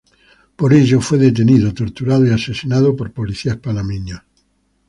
Por ello fue detenido, torturado y asesinado por policías panameños.